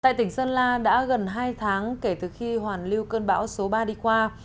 tại tỉnh sơn la đã gần hai tháng kể từ khi hoàn lưu cơn bão số ba đi qua